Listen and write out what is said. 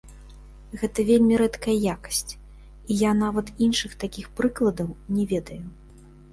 Гэта вельмі рэдкая якасць, і я нават іншых такіх прыкладаў не ведаю.